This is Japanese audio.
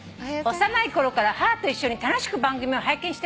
幼い頃から母と一緒に楽しく番組を拝見しております」